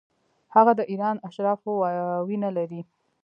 هغه د ایران اشرافو وینه لري.